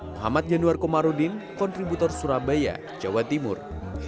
muhammad januar komarudin kontributor surabaya jawa timur